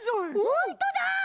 ホントだ！